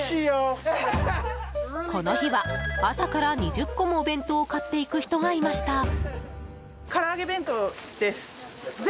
この日は朝から２０個もお弁当を買っていく人がいました。